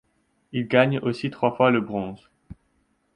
Il gagne aussi trois fois le bronze.